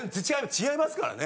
違いますからね。